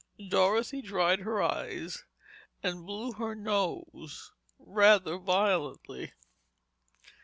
Dorothy dried her eyes and blew her nose rather violently.